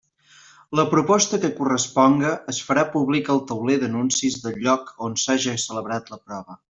La proposta que corresponga es farà pública al tauler d'anuncis del lloc on s'haja celebrat la prova.